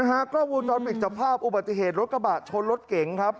นะฮะกล้าวิวจอสมิกส์จับภาพอุบัติเหตุรถกระบาดชนรถเก๋งครับ